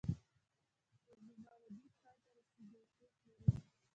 په زما ردیف پای ته رسیږي او پیښ لري.